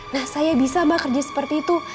nah saya bisa mah kerja seperti itu